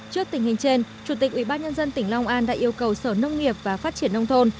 trước tình hình trên chủ tịch ubnd tỉnh long an đã yêu cầu sở nông nghiệp và phát triển nông thôn